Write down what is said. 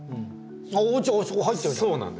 落ち葉あそこ入ってるじゃん。